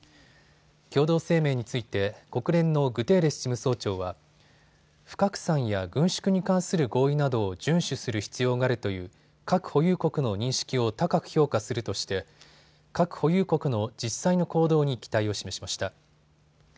共同声明について国連のグテーレス事務総長は不拡散や軍縮に関する合意などを順守する必要があるという核保有国の認識を高く評価するとして核保有国の実際の行動に期待を示しました。